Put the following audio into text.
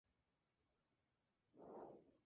Abajo: Agacharse.